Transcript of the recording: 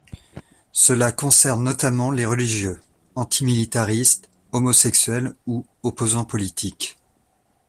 Cela concerne notamment les religieux, antimilitaristes, homosexuels ou opposants politiques.